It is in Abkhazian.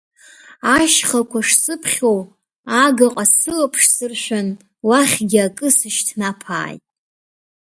Ашьхақәа шсыԥхьо, агаҟа сылаԥш сыршәын, уахьгьы акы сышьҭнаԥааит.